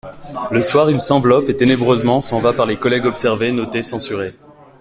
Le soir, il s'enveloppe, et ténébreusement s'en va par les collèges observer, noter, censurer.